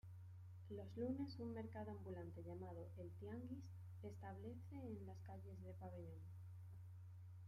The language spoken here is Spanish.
Los lunes un mercado ambulante llamado "El Tianguis" establece en las calles de Pabellón.